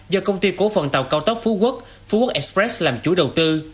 do công ty cố phần tàu cao tốc phú quốc phú quốc express làm chủ đầu tư